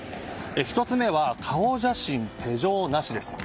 １つ目は顔写真、手錠なしです。